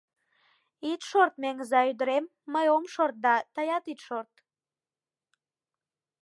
Ит шорт, Меҥыза ӱдырем, мый ом шорт да — тыят ит шорт.